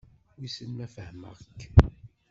Wissen ma fehmeɣ-k?